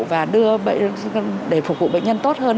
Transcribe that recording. và để phục vụ bệnh nhân tốt hơn